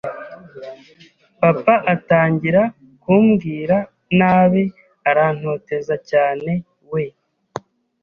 papa atangira kumbwira nabi arantoteza cyane we